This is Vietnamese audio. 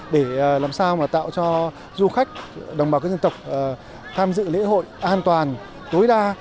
để làm sao mà tạo cho du khách đồng bào các dân tộc tham dự lễ hội an toàn tối đa